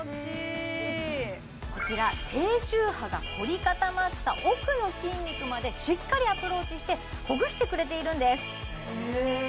こちら低周波が凝り固まった奥の筋肉までしっかりアプローチしてほぐしてくれているんですへえ